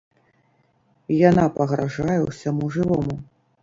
Яна пагражае ўсяму жывому.